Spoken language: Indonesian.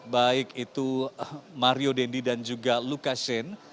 baik itu mario dendi dan juga lukashen